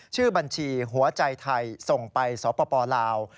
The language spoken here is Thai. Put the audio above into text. ชื่อบัญชีหัวใจไทยส่งไปสปลาว